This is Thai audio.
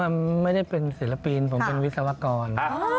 มันไม่ได้เป็นศิลปินผมเป็นวิศวกร